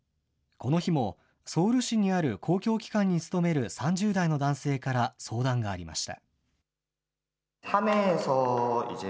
この日もソウル市にある公共機関に勤める３０代の男性から相談がありました。